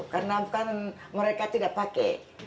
karena kan mereka tidak pakai